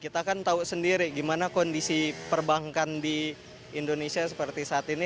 kita kan tahu sendiri gimana kondisi perbankan di indonesia seperti saat ini